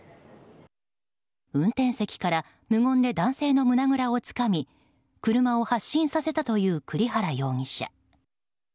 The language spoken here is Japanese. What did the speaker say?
運転席から無言で男性の胸ぐらをつかみ車を発進させたという栗原容疑者。